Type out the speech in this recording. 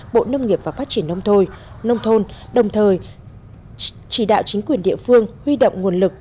bộ nông nghiệp và phát triển nông thôn nông thôn đồng thời chỉ đạo chính quyền địa phương huy động nguồn lực